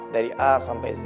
dari a sampe z